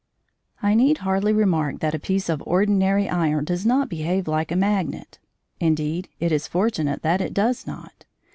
] I need hardly remark that a piece of ordinary iron does not behave like a magnet. Indeed, it is fortunate that it does not.